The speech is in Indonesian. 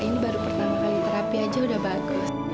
ini baru pertama kali terapi aja udah bagus